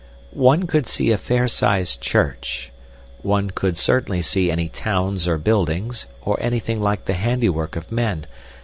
"One could see a fair sized church. One could certainly see any towns or buildings, or anything like the handiwork of men.